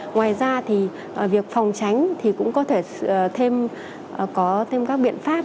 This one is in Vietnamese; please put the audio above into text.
ngoài ra thì việc phòng tránh thì cũng có thể có thêm các biện pháp